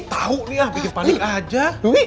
tahu nih ah bikin panik aja